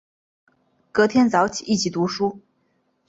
隔天早起一边读书